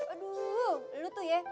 aduh lu tuh ya